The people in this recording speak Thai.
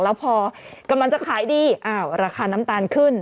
แล้วพอกำลังจะขายดีอ้าวราคาน้ำตาลขึ้น